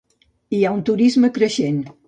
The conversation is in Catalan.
Hi ha un turisme creixent.